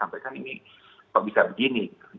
sampai kan ini bisa begini